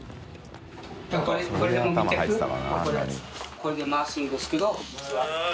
これで回すんですけど佑